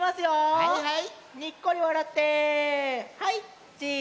はいはい。